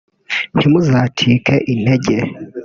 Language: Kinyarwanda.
ntimuzacike intege